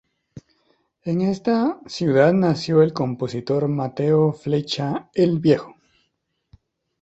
En esta ciudad nació el compositor Mateo Flecha el viejo.